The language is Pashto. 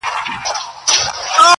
د غلا خبري پټي ساتي.